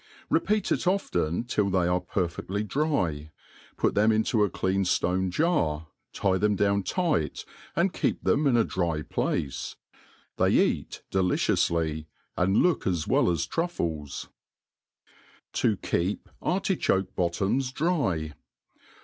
Repeat it often till they are perfedUy dry, put them into a clean Rone jar, tie them down tight, and keep Jthem in a dry piace^ ^hcy eat de^icioufly, and look as well as trufles, J'o hep Aritchoh'B$ttoms Ay.